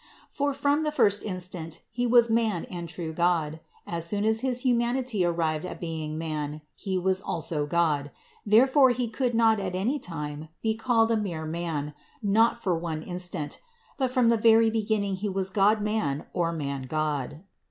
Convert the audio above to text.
For from the first in stant He was man and true God ; as soon as his human ity arrived at being man, He was also God; therefore He could not at any time be called a mere man, not for one instant; but from the very beginning He was God man or Mangod.